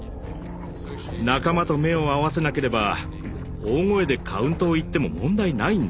仲間と目を合わせなければ大声でカウントを言っても問題ないんだ。